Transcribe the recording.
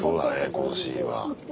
このシーンは。